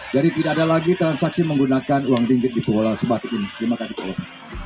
jadi tidak ada lagi transaksi menggunakan uang ringgit di pulau sebatik ini terima kasih